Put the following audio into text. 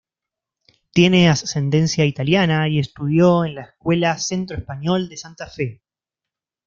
Tiene ascendencia italiana y estudió en la escuela Centro Español de Santa Fe.